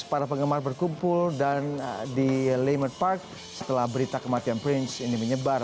para penggemar berkumpul dan di laymar park setelah berita kematian prince ini menyebar